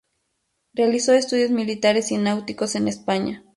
Realizó estudios militares y náuticos en España.